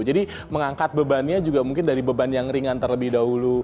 jadi mengangkat bebannya juga mungkin dari beban yang ringan terlebih dahulu